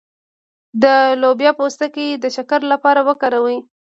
د لوبیا پوستکی د شکر لپاره وکاروئ